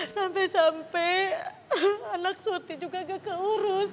sampai sampai anak suti juga gak keurus